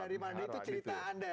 dari mana itu cerita anda ya